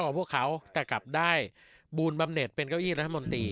พวกเขาแต่กลับได้บูลบำเน็ตเป็นเก้าอี้รัฐมนตรี